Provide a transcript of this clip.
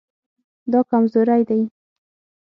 دا کمزوری دی